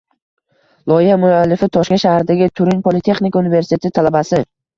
Loyiha muallifi Toshkent shahridagi Turin Politexnika universiteti talabasi